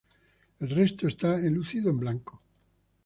El resto está enlucido en blanco.